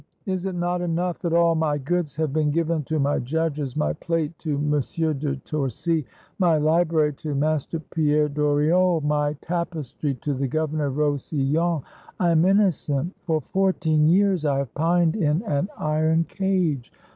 Is it not enough that all my goods have been given to my judges, my plate to Mon sieur de Torcy, my library to Master Pierre Doriolle, my tapestry to the Governor of Roussillon? I am inno cent. For fourteen years I have pined in an iron cage.